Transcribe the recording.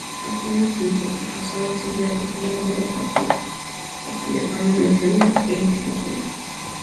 Los vinos tintos, rosados y blancos elaborados aquí gozan de fama nacional e internacional.